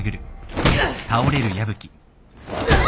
あっ！？